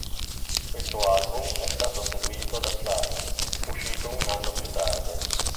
Questo album è stato seguito da "Fly", uscito un anno più tardi.